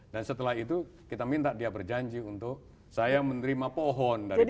dan setelah itu kita minta dia berjanji untuk saya menerima pohon dari bri